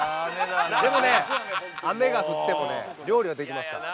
でもね、雨が降ってもね料理はできますから。